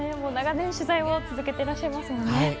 長年、取材を続けていらっしゃいますからね。